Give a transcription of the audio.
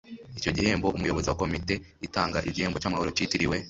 icyo gihembo, umuyobozi wa komite itanga igihembo cy'amahoro kitiriwe